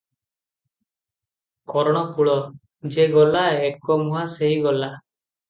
କରଣକୁଳ, ଯେ ଗଲା, ଏକମୁହାଁ ସେହି ଗଲା ।